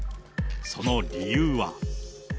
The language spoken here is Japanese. その理由は。